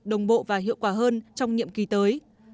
đồng bộ và hiệu quả hơn trong nhiệm kỳ tới